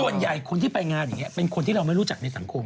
ส่วนใหญ่คนที่ไปงานอย่างนี้เป็นคนที่เราไม่รู้จักในสังคม